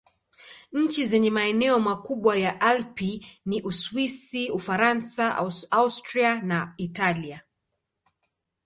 Nchi zenye maeneo makubwa ya Alpi ni Uswisi, Ufaransa, Austria na Italia.